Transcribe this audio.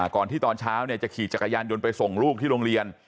ก่อนที่ตอนเช้าจะขี่จักรยานยนต์ไปส่งลูกที่โรงเรียน